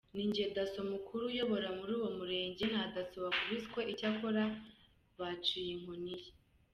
Ninjye Dasso mukuru uyobora muri uwo murebge, Nta Dasso wakubiswe, icyakora baciyw inkoni ye!.